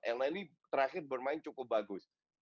elneny terakhir bermain cukup bagus